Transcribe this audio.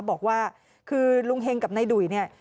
บอกว่าคือลุงเฮงกับนายดุ่ยเนี่ย